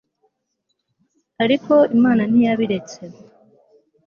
ariko imana yo ntiyabiretse